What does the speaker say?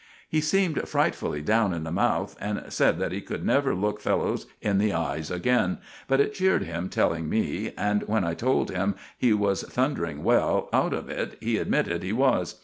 He seemed frightfully down in the mouth, and said that he could never look fellows in the eyes again; but it cheered him telling me, and when I told him he was thundering well out of it he admitted he was.